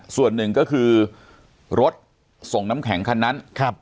ส่วนหนึ่งก็คือรถส่งน้ำแข็งคันนั้น